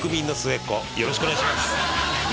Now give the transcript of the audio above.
よろしくお願いします